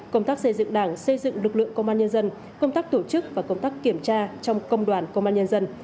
công tác xây dựng đảng xây dựng lực lượng công an nhân dân công tác tổ chức và công tác kiểm tra trong công đoàn công an nhân dân